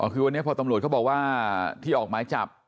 คือวันนี้พอตำรวจเขาบอกว่าที่ออกหมายจับ